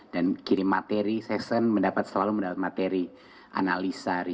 dan kirim materi saya selalu mendapat materi analisa research dan lain lain